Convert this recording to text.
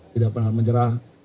tidak pernah menyerah